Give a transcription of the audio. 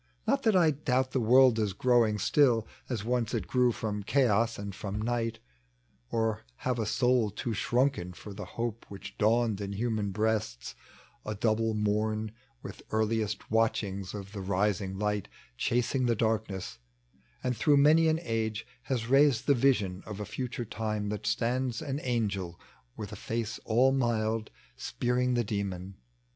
Not that I doabt the world is growing still As once it grew from Cha<ra and from Night ; Or have a sonl too shrunken for the hope Which dawned in human breasts^ a double morn, With earliest watchings of the rising light Chasing the darkness ; and through many an age Has raised the vision of a future time That stands an Ai^el with a face all mild Spearing the demon.